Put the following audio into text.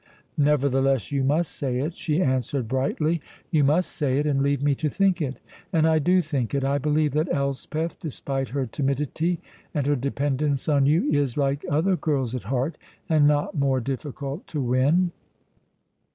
"Nevertheless you must say it," she answered brightly; "you must say it and leave me to think it. And I do think it. I believe that Elspeth, despite her timidity and her dependence on you, is like other girls at heart, and not more difficult to win.